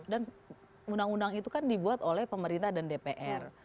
dan undang undang itu kan dibuat oleh pemerintah dan dpr